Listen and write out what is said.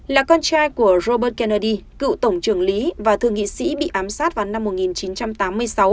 là con trai của robert kennedy cựu tổng trưởng lý và thượng nghị sĩ bị ám sát vào năm một nghìn chín trăm tám mươi sáu